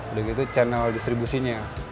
udah gitu channel distribusinya